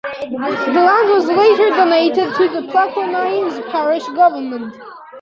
The land was later donated to the Plaquemines Parish Government.